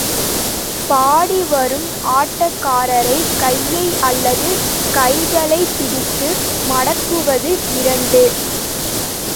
பாடி வரும் ஆட்டக்காரரைக் கையை அல்லது கைகளைப் பிடித்து மடக்குவது, இரண்டு.